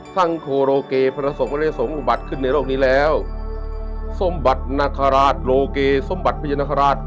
ไม่ได้สมบัติขึ้นในโลกนี้แล้วสมบัตินาคาราชโลเกสมบัติพญานาคาราช